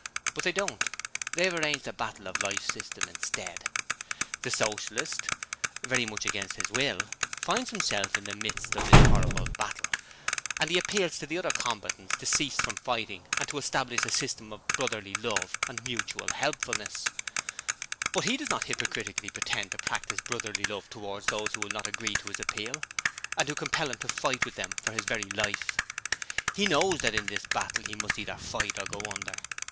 But they don't. They have arranged "The Battle of Life" system instead! 'The Socialist very much against his will finds himself in the midst of this horrible battle, and he appeals to the other combatants to cease from fighting and to establish a system of Brotherly Love and Mutual Helpfulness, but he does not hypocritically pretend to practise brotherly love towards those who will not agree to his appeal, and who compel him to fight with them for his very life. He knows that in this battle he must either fight or go under.